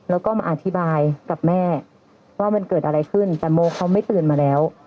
แล้วก็มาอธิบายกับแม่ว่ามันเกิดอะไรขึ้นแต่โมเขาไม่ตื่นมาแล้ว